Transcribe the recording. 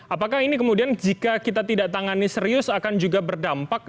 apakah ini kemudian jika kita tidak tangani serius akan juga berdampak